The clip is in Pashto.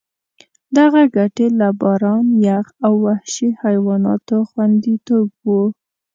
دغه ګټې له باران، یخ او وحشي حیواناتو خوندیتوب وو.